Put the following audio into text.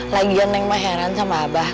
lagian yang mah heran sama abah